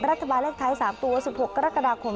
รัฐบาลเลขท้าย๓ตัว๑๖กรกฎาคม